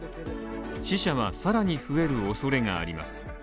死者は更に増えるおそれがあります。